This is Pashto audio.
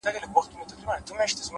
هره لاسته راوړنه د جرئت ثمره ده,